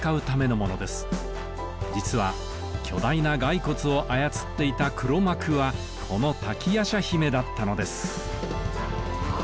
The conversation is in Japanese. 実は巨大な骸骨を操っていた黒幕はこの瀧夜叉姫だったのです。